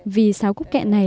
vì sáo cúc kệ này